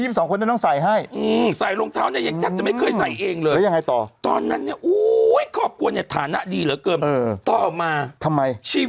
รองเท้าเนี่ยหนูใส่เอ็งไม่เป็นวนะทำไม